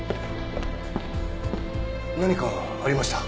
何かありました？